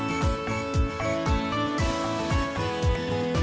ในภาคฝั่งอันดามันนะครับ